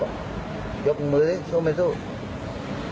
เฮ้ยจบมือสิซุ้มไหมซุ้ม